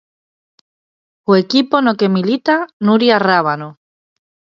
O equipo no que milita Nuria Rábano.